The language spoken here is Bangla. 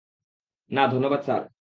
না, ধন্যবাদ, স্যার।